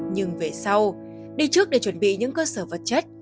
nhưng về sau đi trước để chuẩn bị những cơ sở vật chất